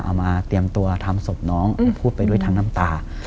เอามาเตรียมตัวทำศพน้องพูดไปด้วยทั้งน้ำตา